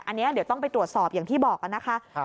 อันนี้เดี๋ยวต้องไปตรวจสอบอย่างที่บอกนะคะ